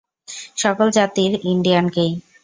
সকল জাতির ইন্ডিয়ানকেই।